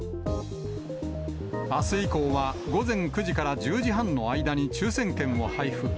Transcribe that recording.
あす以降は、午前９時から１０時半の間に抽せん券を配布。